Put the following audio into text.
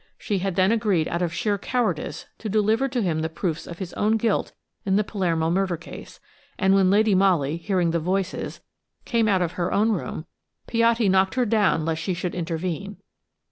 She had then agreed out of sheer cowardice to deliver to him the proofs of his own guilt in the Palermo murder case, and when Lady Molly, hearing the voices, came out of her own room, Piatti knocked her down lest she should intervene.